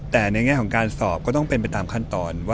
แต่ในแง่ของการสอบก็ต้องเป็นไปตามขั้นตอนว่า